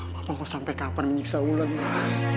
papa mau sampai kapan menyiksa wulan pak